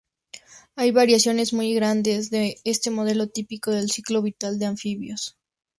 Hay variaciones muy grandes de este modelo típico del ciclo vital de anfibios.